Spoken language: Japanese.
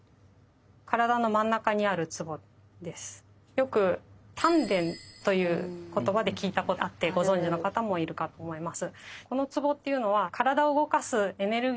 よく丹田という言葉で聞いたことあってご存じの方もいるかと思います。